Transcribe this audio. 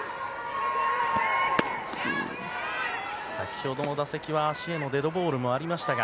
先ほどの打席は足へのデッドボールもありましたが